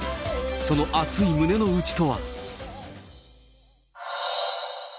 その熱い胸の内とは。